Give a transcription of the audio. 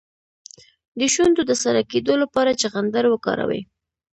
د شونډو د سره کیدو لپاره چغندر وکاروئ